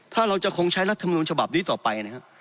ถ้าเราจะคงใช้รัฐมนุนฉบับนี้ต่อไปนะครับ